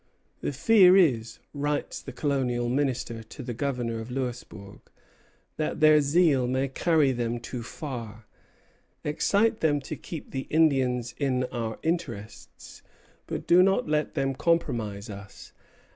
"The fear is," writes the Colonial Minister to the Governor of Louisbourg, "that their zeal may carry them too far. Excite them to keep the Indians in our interests, but do not let them compromise us.